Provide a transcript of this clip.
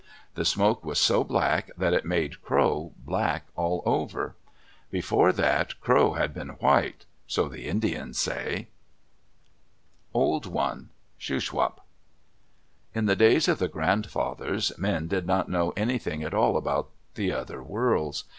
The smoke was so black that it made Crow black all over. Before that Crow had been white; so the Indians say. OLD ONE Shuswap In the days of the grandfathers men did not know anything at all about the other worlds.